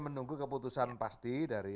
menunggu keputusan pasti dari